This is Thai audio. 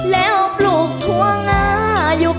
แล้วปลุกทวงอาอยู่กัน